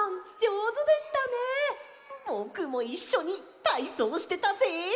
ぼくもいっしょにたいそうしてたぜ！